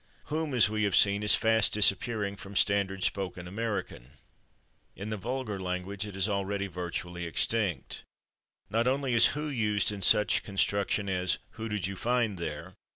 /Whom/, as we have seen, is fast disappearing from standard spoken American; in the vulgar language it is already virtually extinct. Not only is /who/ used in such constructions as "/who/ did you find there?"